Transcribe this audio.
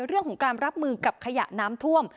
เรื่องของการรับมือกับขยะน้ำท่วม